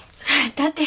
だって